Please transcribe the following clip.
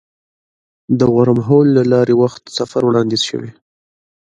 د ورم هول له لارې وخت سفر وړاندیز شوی.